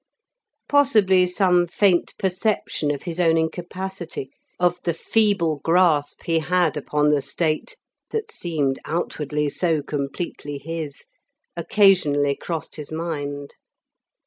Possibly some faint perception of his own incapacity, of the feeble grasp he had upon the State, that seemed outwardly so completely his, occasionally crossed his mind.